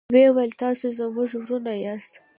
ویل یې تاسو زموږ ورونه یاست.